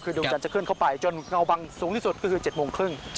คือดวงจันทร์จะเคลื่อนเข้าไปจนเงาบังสูงที่สุดก็คือ๗โมงครึ่ง